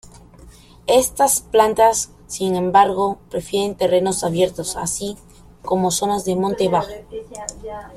Estas plantas, sin embargo, prefieren terrenos abiertos así como zonas de monte bajo.